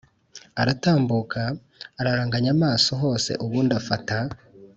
aratambuka araranganya amaso hose ubundi afata